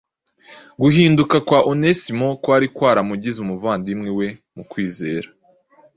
Guhinduka kwa Onesimo kwari kwaramugize umuvandimwe we mu kwizera